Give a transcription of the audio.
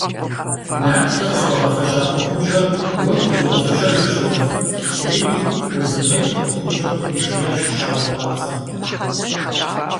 Nartxe khısxuağefeşa xhuexhubjer vue pxuzoğefeşejj, şauef', – jjêri Vuezırmec xhuexhubjer khıxuişşiyaş şaue khuapts'em.